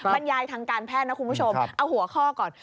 บรรยายทางการแพทย์นะคุณผู้ชมเอาหัวข้อก่อน